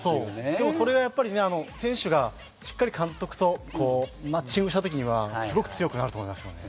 でもそれがやっぱり選手がしっかり監督とマッチングしたときにはいいと思いますね。